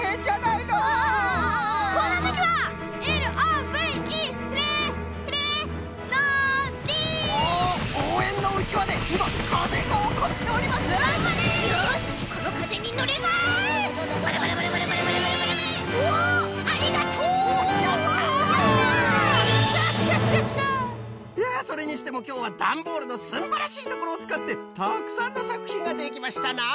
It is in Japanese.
いやそれにしてもきょうはダンボールのすんばらしいところをつかってたくさんのさくひんができましたな！